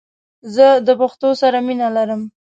زه د پښتو سره مینه لرم🇦🇫❤️